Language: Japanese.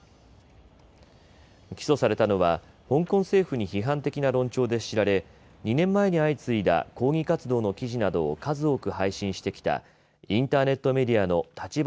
起訴されたのは香港政府に批判的な論調で知られ２年前に相次いだ抗議活動の記事などを数多く配信してきたインターネットメディアの立場